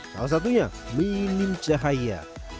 salah satunya minim cahaya